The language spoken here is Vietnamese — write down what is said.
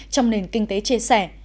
trong nền kinh tế chia sẻ